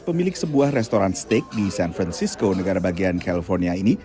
pemilik sebuah restoran steak di san francisco negara bagian california ini